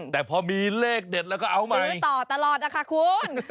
แต่พอมีเลขเด็ดแล้วก็เอามาซื้อต่อตลอดนะคะคุณ